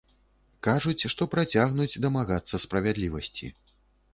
Кажуць, што працягнуць дамагацца справядлівасці.